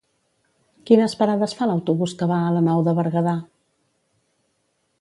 Quines parades fa l'autobús que va a la Nou de Berguedà?